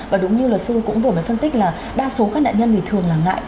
và đúng như luật sư cũng vừa mới phân tích là đa số các nạn nhân thì thường là ngại